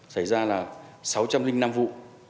xảy ra là sáu trăm linh năm vụ